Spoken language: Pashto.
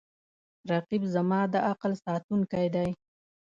رقیب زما د عقل ساتونکی دی